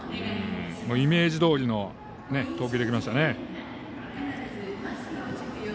イメージどおりの投球できましたね。